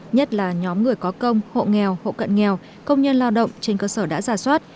nhất là nhóm người có công hộ nghèo hộ cận nghèo công nhân lao động trên cơ sở đã giả soát